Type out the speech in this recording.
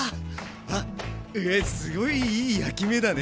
あっえすごいいい焼き目だね。